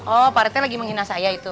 oh pak rete lagi menghina saya itu